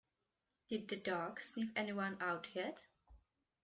Did the dog sniff anyone out yet?